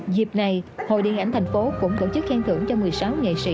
dịp này hội điện ảnh tp hcm cũng tổ chức khen thưởng cho một mươi sáu nghệ sĩ